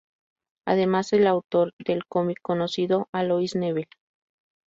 Además, es el autor del cómic conocido "Alois Nebel".